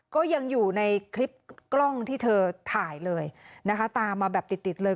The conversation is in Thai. ก็ยังอยู่ในคลิปกล้องที่เธอถ่ายเลยนะคะตามมาแบบติดติดเลย